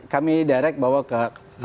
kami direct bawa ke